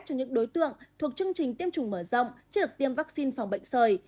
cho những đối tượng thuộc chương trình tiêm chủng mở rộng chưa được tiêm vaccine phòng bệnh sởi